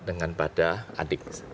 dengan pada adik